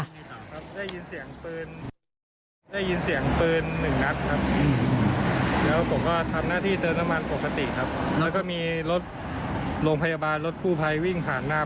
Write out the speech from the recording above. การยิงคนร้ายครับแต่ไม่ทราบว่าเสียชีวิตหรือไม่